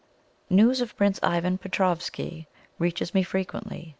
News of Prince Ivan Petroffsky reaches me frequently.